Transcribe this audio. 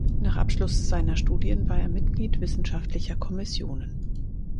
Nach Abschluss seiner Studien war er Mitglied wissenschaftlicher Kommissionen.